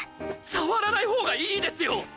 触らないほうがいいですよ！